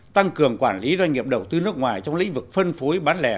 tăng cường quản lý doanh nghiệp đầu tư nước ngoài trong lĩnh vực phân phối bán lẻ